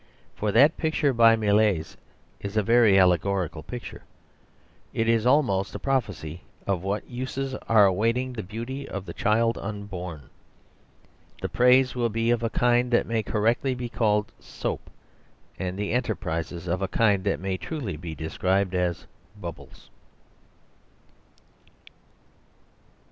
For that picture by Millais is a very allegorical picture. It is almost a prophecy of what uses are awaiting the beauty of the child unborn. The praise will be of a kind that may correctly be called soap; and the enterprises of a kind that may truly be described as Bubbles.